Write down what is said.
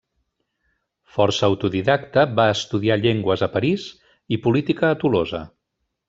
Força autodidacta, va estudiar llengües a París i política a Tolosa.